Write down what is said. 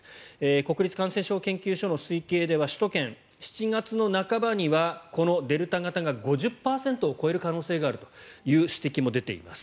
国立感染症研究所の推計では首都圏、７月の半ばにはこのデルタ型が５０％を超える可能性があるという指摘も出ています。